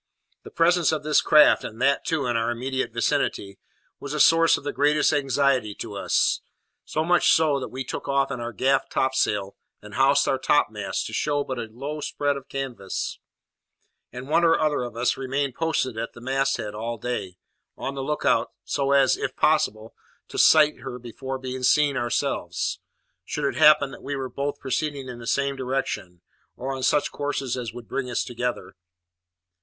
The presence of this craft, and that, too, in our immediate vicinity, was a source of the greatest anxiety to us; so much so, that we took in our gaff topsail, and housed our topmast, to show but a low spread of canvas; and one or other of us remained posted at the mast head all day, on the look out, so as, if possible, to sight her before being seen ourselves, should it happen that we were both proceeding in the same direction, or on such courses as would bring us together.